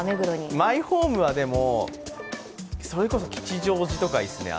マイホームはそれこそ吉祥寺とかいいですね。